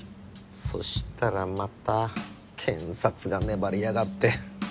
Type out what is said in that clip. そしたらまた検察が粘りやがって。